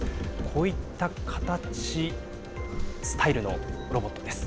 こういった形スタイルのロボットです。